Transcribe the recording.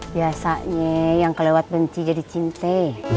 biasanya yang keluar benci jadi cintai